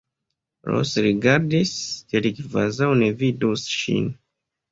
Ros rigardis, sed kvazaŭ ne vidus ŝin.